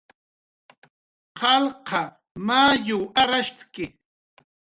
Qalqa mayuw arrashtki